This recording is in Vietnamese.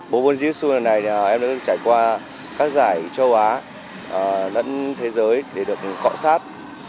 bố bồn giê xu lần này em đã trải qua các giải châu á lẫn thế giới để được cõi sát